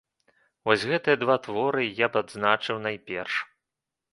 Вось гэтыя два творы я б адзначыў найперш.